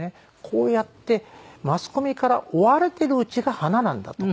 こうやってマスコミから追われているうちが華なんだ」と。